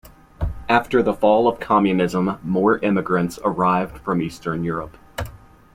After the fall of Communism more immigrants arrived from Eastern Europe.